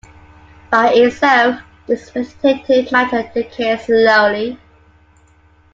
By itself, this vegetative matter decays slowly.